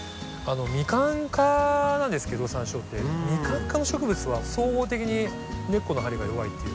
ミカン科なんですけどサンショウってミカン科の植物は総合的に根っこの張りが弱いっていう。